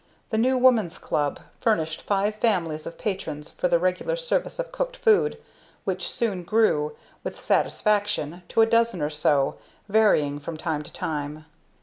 The New Woman's Club furnished five families of patrons for the regular service of cooked food, which soon grew, with satisfaction, to a dozen or so, varying from time to time.